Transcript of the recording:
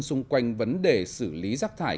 xung quanh vấn đề xử lý rác thải